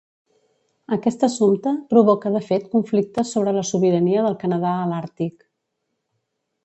Aquest assumpte provoca de fet conflictes sobre la sobirania del Canadà a l'Àrtic.